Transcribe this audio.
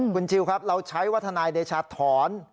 คุณชิลครับเราใช้ว่าทนายเดชาถอน